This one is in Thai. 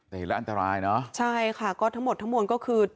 แต่เห็นแล้วอันตรายเนอะใช่ค่ะก็ทั้งหมดทั้งมวลก็คือ